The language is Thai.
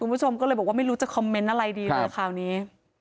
คุณผู้ชมก็เลยบอกว่าไม่รู้จะคอมเมนต์อะไรดีเลยคราวนี้